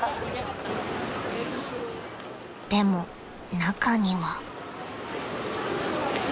［でも中には］